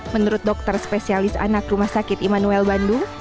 menurut dokter spesialis anak rumah sakit immanuel bandung